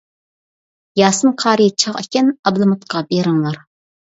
ياسىن قارى چاغ ئىكەن، ئابلىمىتقا بېرىڭلار.